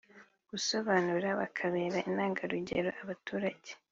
gusobanuka bakabera intangarugero abaturage